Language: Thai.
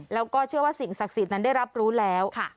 แล้วก็เชื่อว่าสิ่งศักดิ์สิทธิ์นั้นได้รับรู้แล้ว